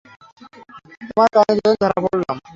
তোমার কারণে দুজন ধরা পড়তাম।